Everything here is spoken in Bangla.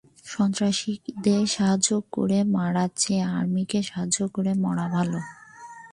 সন্ত্রাসীদের সাহায্য করে মরার চেয়ে আর্মিকে সাহায্য করে মরা ভালো।